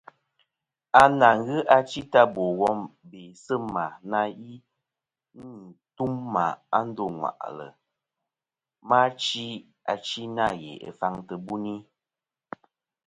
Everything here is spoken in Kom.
À nà ghɨ achi ta bò wom bê sɨ̂ mà na yi n-nî tum mà a ndô ŋwàʼlɨ, ma chi achi nâ ghè faŋ tɨ̀ buni.